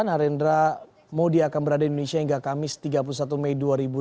narendra modi akan berada di indonesia hingga kamis tiga puluh satu mei dua ribu dua puluh